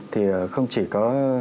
thì không chỉ có